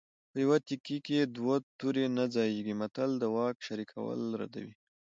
په یوه تیکي کې دوه تورې نه ځاییږي متل د واک شریکول ردوي